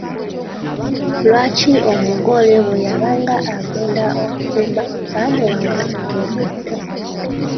Lwaki omugole bwe yabanga agenda okufumba baamuwanga ettooke tto?